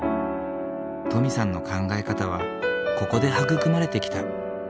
登美さんの考え方はここで育まれてきた。